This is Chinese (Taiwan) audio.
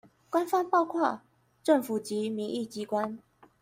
官方包括政府及民意機關